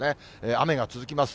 雨が続きます。